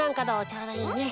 ちょうどいいね。